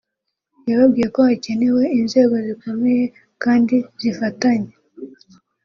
yababwiye ko hakenewe inzego zikomeye kandi zifatanya